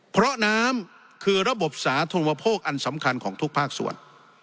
เพราะน้ำคือระบบสาธุโภคอันสำคัญของทุกภาคส่วน